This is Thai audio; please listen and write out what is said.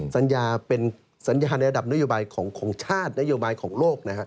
สัญญาเป็นสัญญาในระดับนโยบายของชาตินโยบายของโลกนะครับ